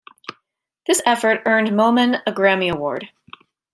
This effort earned Moman a Grammy Award.